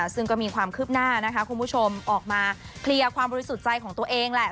ซึ่งก็มีความคืบหน้านะคะคุณผู้ชมออกมาเคลียร์ความบริสุทธิ์ใจของตัวเองแหละ